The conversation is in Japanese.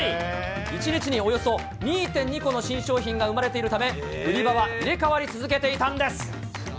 １日におよそ２．２個の新商品が生まれているため、売り場は入れ代わり続けていたんです。